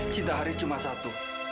cinta haris cuma satu